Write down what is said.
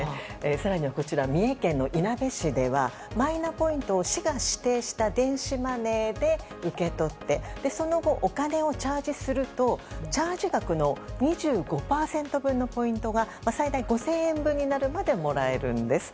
更には、三重県いなべ市ではマイナポイントを市が指定した電子マネーで受け取ってその後、お金をチャージするとチャージ額の最大２５％分最大５０００円分になるまでもらえるんです。